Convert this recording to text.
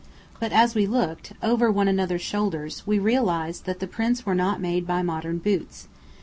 But as we looked, over one another's shoulders, we realised that the prints were not made by modern boots.